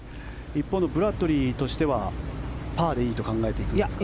一方のブラッドリーとしてはパーでいいと考えていくんですか？